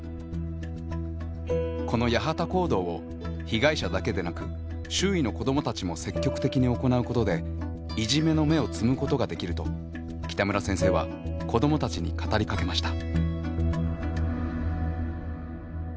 このやはた行動を被害者だけでなく周囲の子どもたちも積極的に行うことでいじめの芽を摘むことができると北村先生は子どもたちに語りかけました。